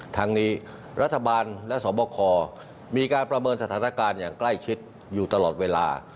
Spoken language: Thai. ทั้งนี้รัฐบาลและสวบคมีการประเมินสถานการณ์อย่างใกล้ชิดอยู่ตลอดเวลา